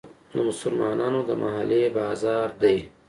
د مسلمانانو د محلې بازار دی.